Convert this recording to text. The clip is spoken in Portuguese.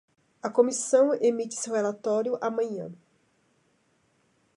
A comissão emite seu relatório amanhã